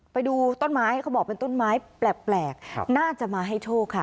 ไปดูต้นไม้เขาบอกเป็นต้นไม้แปลกน่าจะมาให้โชคค่ะ